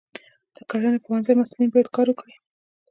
د کرنې پوهنځي محصلین باید کار وکړي.